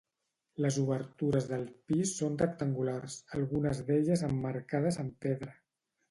Les obertures del pis són rectangulars, algunes d'elles emmarcades en pedra.